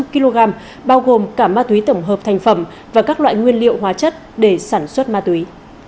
sáu trăm linh kg bao gồm cả ma túy tổng hợp thành phẩm và các loại nguyên liệu hóa chất để sản xuất ma túy